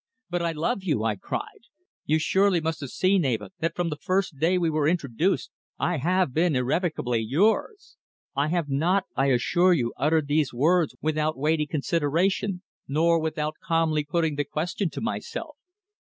"But I love you!" I cried. "You surely must have seen, Eva, that from the first day we were introduced I have been irrevocably yours. I have not, I assure you, uttered these words without weighty consideration, nor without calmly putting the question to myself.